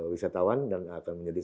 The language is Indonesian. wisatawan dan akan menjadi